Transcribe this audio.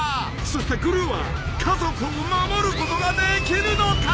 ［そしてグルーは家族を守ることができるのか？］